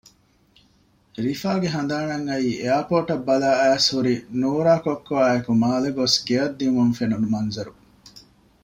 ރިފާގެ ހަނދާނަށް އައީ އެއާޕޯޓަށް ބަލާއައިސް ހުރި ނޫރާ ކޮއްކޮއާއެކު މާލެ ގޮސް ގެޔަށް ދިއުމުން ފެނުނު މަންޒަރު